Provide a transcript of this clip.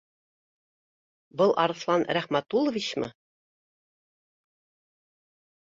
Был Арыҫлан Рәхмәтулловичмы?